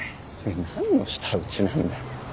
何の舌打ちなんだよ。